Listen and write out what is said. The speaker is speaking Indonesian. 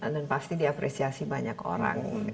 dan pasti diapresiasi banyak orang